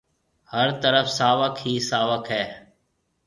هر طرف ساوڪ هِي ساوڪ هيَ۔